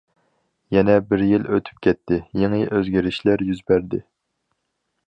يەنە بىر يىل ئۆتۈپ كەتتى، يېڭى ئۆزگىرىشلەر يۈز بەردى.